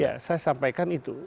ya saya sampaikan itu